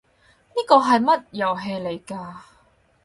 呢個係乜遊戲嚟㗎？